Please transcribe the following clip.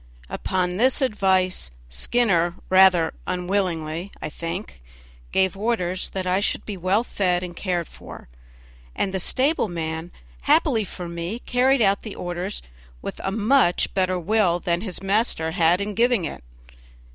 Upon this advice Skinner, rather unwillingly, I think, gave orders that I should be well fed and cared for, and the stable man, happily for me, carried out the orders with a much better will than his master had in giving them.